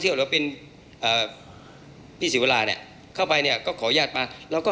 มีการที่จะพยายามติดศิลป์บ่นเจ้าพระงานนะครับ